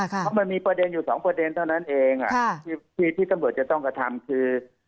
เพราะมันมีประเด็นอยู่สองประเด็นเท่านั้นเองที่ตำรวจจะต้องกระทำคือ